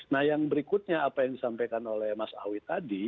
nah yang berikutnya apa yang disampaikan oleh mas awi tadi